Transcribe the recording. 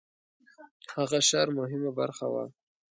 هغه ښار مهمه برخه وه.